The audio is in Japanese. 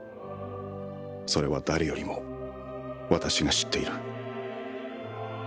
「それは誰よりも私が知っている」